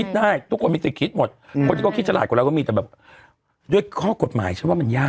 จำได้ไหมอุโมงไฟที่แบบงบ๙๐กว่าล้านอ่ะ